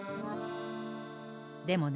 でもね